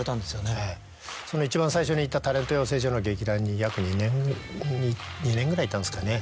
はいその一番最初に行ったタレント養成所の劇団に約２年ぐらいいたんですかね。